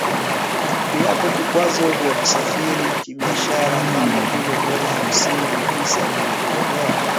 Iwapo vikwazo vya kusafiri kibiashara kama vile dola hamsini ya visa vimeondolewa.